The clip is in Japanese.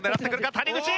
谷口！